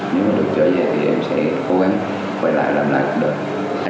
nếu mà được trở về thì em sẽ cố gắng quay lại làm lại cuộc đời